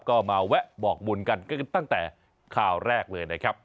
ก็มาแวะบอกบุญกันตั้งแต่ข่าวแรกเลยนะครับ